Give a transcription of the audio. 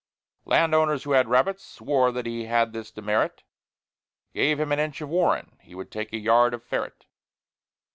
Land owners, who had rabbits, swore That he had this demerit Give him an inch of warren, he Would take a yard of ferret.